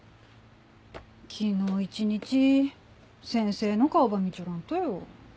昨日一日先生の顔ば見ちょらんとよ。